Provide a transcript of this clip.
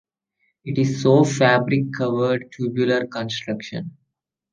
It is of fabric-covered tubular construction.